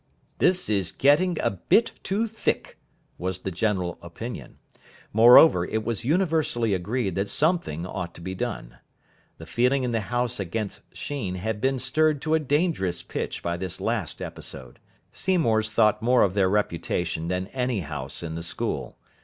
"This is getting a bit too thick," was the general opinion. Moreover, it was universally agreed that something ought to be done. The feeling in the house against Sheen had been stirred to a dangerous pitch by this last episode. Seymour's thought more of their reputation than any house in the school.